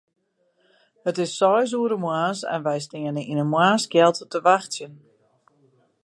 It is seis oere moarns en wy steane yn 'e moarnskjeld te wachtsjen.